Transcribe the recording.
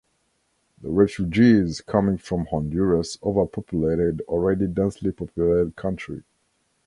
The refugees coming from Honduras overpopulated the already densely populated country.